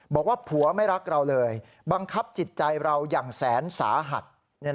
บอกว่าผัวไม่รักเราเลยบังคับจิตใจเราอย่างแสนสาหัส